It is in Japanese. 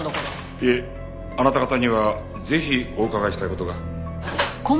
いえあなた方にはぜひお伺いしたい事が。